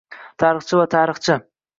Tarixchi va «tarixchi»